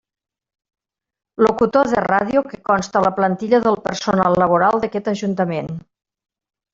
Locutor de ràdio que consta a la plantilla del personal laboral d'aquest ajuntament.